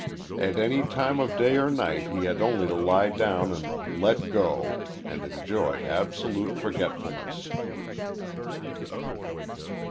At any time of day or night he had only to lie down and "let go," and enjoy absolute forgetfulness.